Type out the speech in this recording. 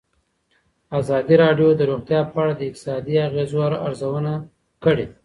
ازادي راډیو د روغتیا په اړه د اقتصادي اغېزو ارزونه کړې.